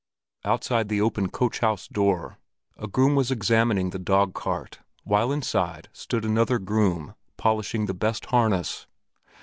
Outside the open coach house door, a groom was examining the dog cart, while inside stood another groom, polishing the best harness.